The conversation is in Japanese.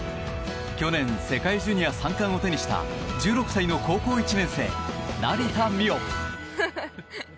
去年、世界ジュニア３冠を手にした１６歳の高校１年生成田実生。